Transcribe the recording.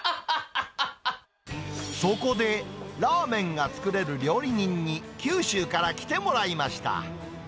そこで、ラーメンが作れる料理人に、九州から来てもらいました。